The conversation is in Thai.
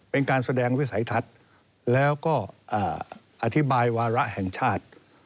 เป็นการแสดงวิสัยทัศน์แล้วก็อธิบายวาระแห่งชาติ